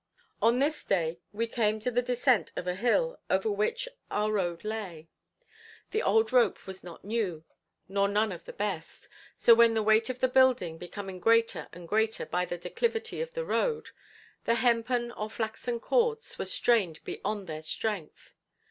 On this day we came to the descent of a hill over which our road lay. The old rope was not new nor none of the best, so when the weight of the building becoming greater and greater by the declivity of the road, the hempen or flaxen cords were strained beyond their strength.